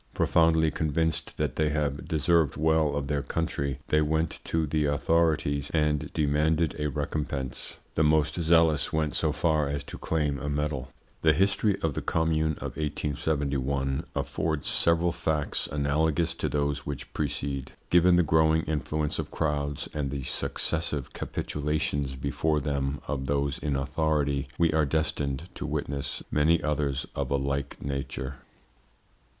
Profoundly convinced that they have deserved well of their country, they went to the authorities and demanded a recompense. The most zealous went so far as to claim a medal. The history of the Commune of 1871 affords several facts analogous to those which precede. Given the growing influence of crowds and the successive capitulations before them of those in authority, we are destined to witness many others of a like nature.